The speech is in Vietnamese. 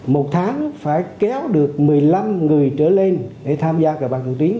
một tháng phải kéo được một mươi năm người trở lên để tham gia cờ bạc trực tuyến